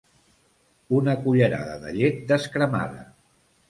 Una cullerada de llet descremada.